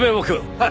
はい。